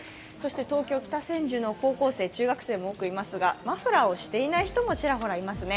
東京、北千住の高校生、中学生も多くいますがマフラーをしていない人もちらほらいますね。